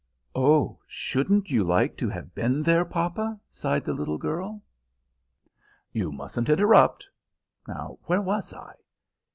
"Oh, shouldn't you like to have been there, papa?" sighed the little girl. "You mustn't interrupt. Where was I?"